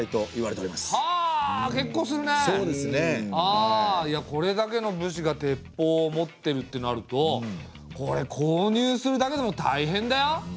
あいやこれだけの武士が鉄砲を持ってるってなるとこれ購入するだけでもたいへんだよ！？